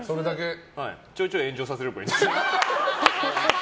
ちょいちょい炎上させればいいんです。